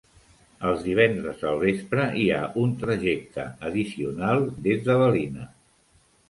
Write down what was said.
Els divendres al vespre hi ha un trajecte addicional des de Ballina.